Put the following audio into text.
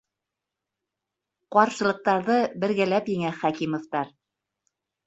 Ҡаршылыҡтарҙы бергәләп еңә Хәкимовтар.